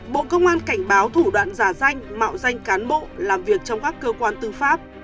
bộ công an cảnh báo thủ đoạn giả danh mạo danh cán bộ làm việc trong các cơ quan tư pháp